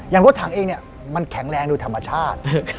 รถถังเองเนี่ยมันแข็งแรงโดยธรรมชาติ